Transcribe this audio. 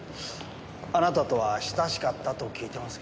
あなたとは親しかったと聞いてますけど。